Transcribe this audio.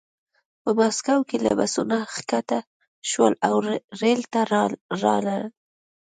په مسکو کې له بسونو ښکته شول او ریل ته لاړل